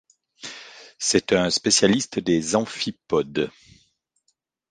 C’est un spécialiste des amphipodes.